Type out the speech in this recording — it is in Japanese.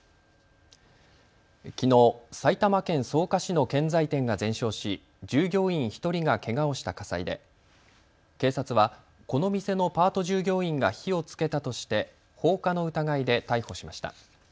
きのう、埼玉県草加市の建材店が全焼し従業員１人がけがをした火災で警察はこの店のパート従業員が火をつけたとして放火の疑いで逮捕しました。